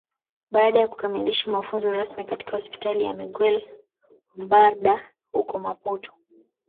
Baada ya kukamilisha mafunzo rasmi katika Hospitali ya Miguel Bombarda huko Maputo